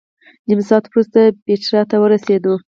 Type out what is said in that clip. نیم ساعت وروسته پېټرا ته ورسېدو.